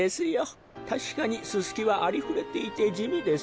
たしかにススキはありふれていてじみです。